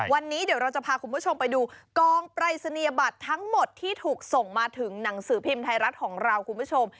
วันนี้เดี๋ยวเราจะพาคุณผู้ชมไปดูกองปรายศนียบัตรทั้งหมดที่ถูกส่งมาถึงหนังสือพิมพ์ไทยรัฐของเราคุณผู้ชม